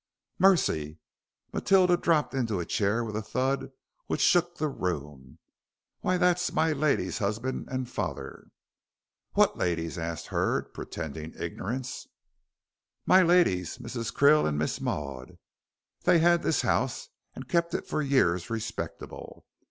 "Mercy," Matilda dropped into a chair, with a thud which shook the room; "why, that's my ladies' husband and father." "What ladies?" asked Hurd, pretending ignorance. "My ladies, Mrs. Krill and Miss Maud. They had this 'ouse, and kep' it for years respectable.